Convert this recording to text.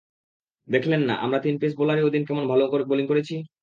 দেখলেন না, আমরা তিন পেস বোলারই ওদিন কেমন ভালো বোলিং করেছি।